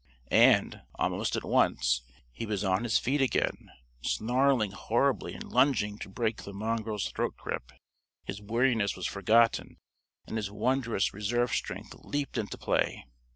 And, almost at once, he was on his feet again, snarling horribly and lunging to break the mongrel's throat grip. His weariness was forgotten and his wondrous reserve strength leaped into play.